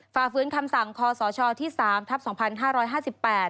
ฝ่าฝืนคำสั่งคศที่๓ทัพ๒๕๕๘